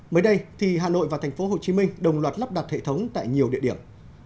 mới đây thì hà nội và tp hcm đồng loạt lắp đặt hệ thống tại nhiều địa điểm